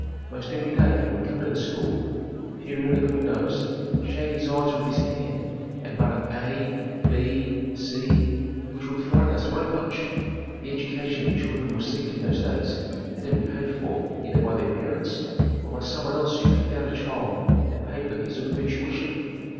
Most every day he would come to the school, peer in at the windows, shade his eyes with his hand and mutter "A" "B" "C", which would frighten us very much. The education the children received in those days had to be paid for either by their parents or by someone else who picked out a child and paid for his or her tuition.